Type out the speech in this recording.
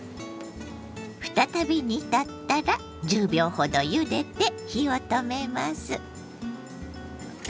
再び煮立ったら１０秒ほどゆでて火を止めます。